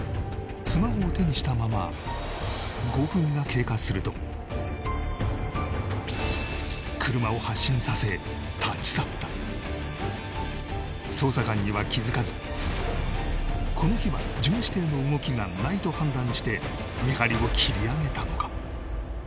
スマホを手にしたまま５分が経過すると車を発進させ立ち去った捜査官には気づかずこの日はして見張りを切り上げたのか？